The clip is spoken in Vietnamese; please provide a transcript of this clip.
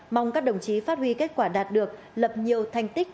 mong các đồng chí phát huy kết quả đạt được lập nhiều thành tích